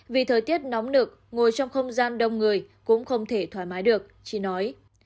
vì thời tiết nóng nực ngồi trong không gian đông người cũng không thể thoải mái được chỉ nói